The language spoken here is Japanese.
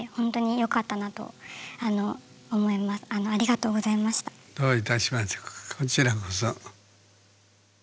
どういたしましてこちらこそ。